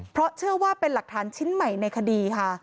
เพราะเชื่อว่าเป็นหลักฐานชิ้นใหม่ในคดีค่ะ